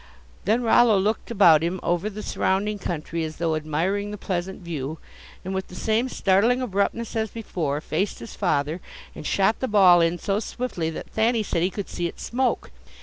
Then Rollo looked about him over the surrounding country as though admiring the pleasant view, and with the same startling abruptness as before, faced his father and shot the ball in so swiftly that Thanny said he could see it smoke.